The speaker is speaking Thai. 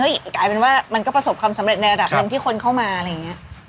กลายเป็นว่ามันก็ประสบความสำเร็จในระดับหนึ่งที่คนเข้ามาอะไรอย่างนี้